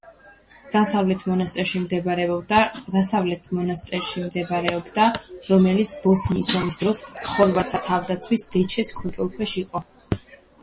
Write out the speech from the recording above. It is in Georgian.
უნივერსიტეტის კამპუსი დასავლეთ მოსტარში მდებარეობდა, რომელიც ბოსნიის ომის დროს ხორვატთა თავდაცვის ვეჩეს კონტროლქვეშ იყო.